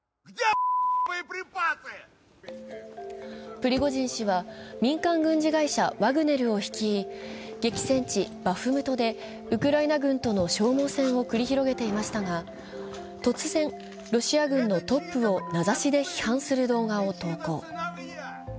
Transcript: プリゴジン氏は民間軍事会社ワグネルを率い、激戦地バフムトでウクライナ軍との消耗戦を繰り広げていましたが突然、ロシア軍のトップを名指しで批判する動画を投稿。